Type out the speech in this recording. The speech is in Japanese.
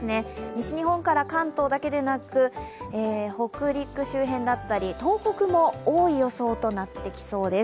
西日本から関東だけでなく北陸周辺だったり東北も多い予想となってきそうです。